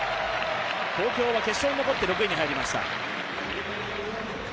東京は決勝に残って６位に入りました。